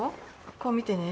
こう見てね。